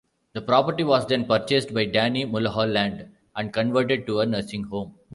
The property was then purchased by Danny Mullholland and converted to a Nursing Home.